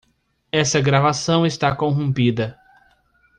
Esta gravação está corrompida.